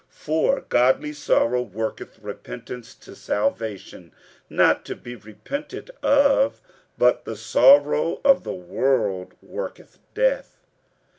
47:007:010 For godly sorrow worketh repentance to salvation not to be repented of: but the sorrow of the world worketh death.